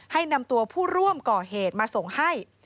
ให้นำตัวผู้ร่วมก่อเหตุมาส่งให้